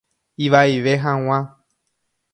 Ivaive hag̃ua.